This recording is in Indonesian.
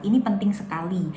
ini penting sekali